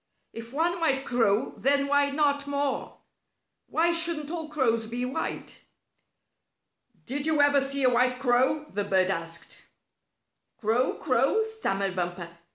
If one white crow, then why not more? Why shouldn't all crows be white? "Did you ever see a white crow?" the bird asked. "Crow! Crow!" stammered Bumper.